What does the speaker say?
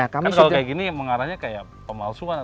kan kalau kayak gini mengarahnya kayak pemalsuan